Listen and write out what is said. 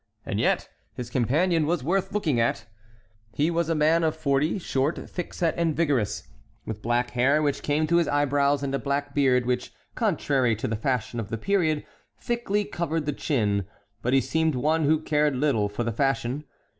And yet his companion was worth looking at. He was a man of forty, short, thick set, and vigorous, with black hair which came to his eyebrows, and a black beard, which, contrary to the fashion of the period, thickly covered the chin; but he seemed one who cared little for the fashion.